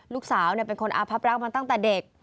ลูกสาวเป็นคนอาพับรักมาตั้งแต่เด็ก